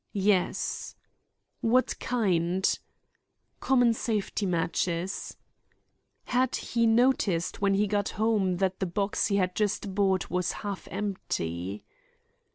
Yes. What kind? Common safety matches. Had he noticed when he got home that the box he had just bought was half empty?